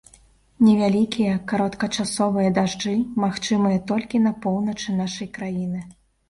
Невялікія кароткачасовыя дажджы магчымыя толькі на поўначы нашай краіны.